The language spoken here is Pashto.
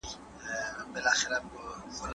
سوځوي مي د خپل ستوني درد بې اوره